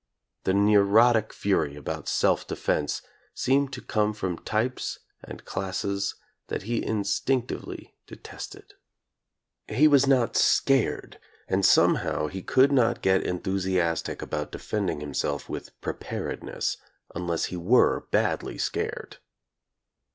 The neurotic fury about self defense seemed to come from types and classes that he in stinctively detested. He was not scared, and somehow he could not get enthusiastic about de fending himself with "preparedness" unless he were badly scared.